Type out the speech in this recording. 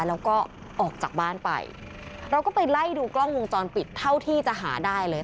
แล้วก็ออกจากบ้านไปเราก็ไปไล่ดูกล้องวงจรปิดเท่าที่จะหาได้เลย